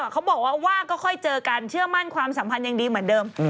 เขาบอกว่าว่าก็ค่อยเจอกันเชื่อมั่นความสัมพันธ์ยังดีเหมือนเดิม